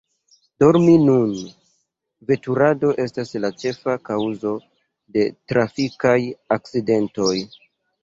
Dormi dum veturado estas la ĉefa kaŭzo de trafikaj akcidentoj.